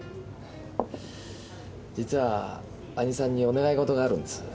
実は兄さんにお願いごとがあるんです。